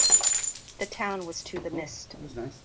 The town was to the Mist.